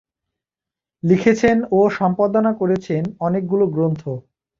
লিখেছেন ও সম্পাদনা করেছেন অনেকগুলো গ্রন্থ।